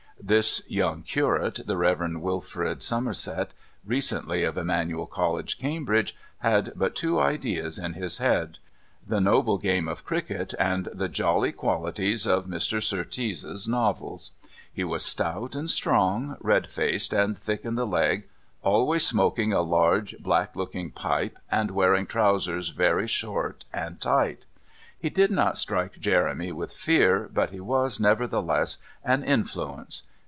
This young curate, the Rev. Wilfred Somerset, recently of Emmanuel College, Cambridge, had but two ideas in his head the noble game of cricket and the jolly qualities of Mr. Surtees's novels. He was stout and strong, red faced, and thick in the leg, always smoking a largo black looking pipe, and wearing trousers very short and tight. He did not strike Jeremy with fear, but he was, nevertheless, an influence.